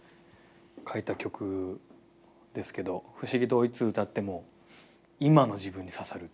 書いた曲ですけど不思議といつ歌っても今の自分に刺さるっていう。